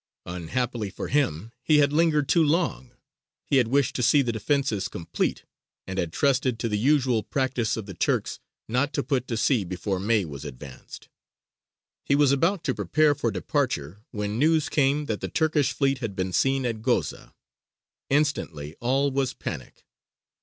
Unhappily for him, he had lingered too long. He had wished to see the defences complete, and had trusted to the usual practice of the Turks, not to put to sea before May was advanced. He was about to prepare for departure when news came that the Turkish fleet had been seen at Goza. Instantly all was panic.